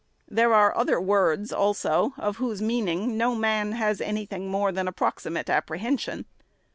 There are other words also, of whose meaning no man has any thing more than a proxi mate apprehension.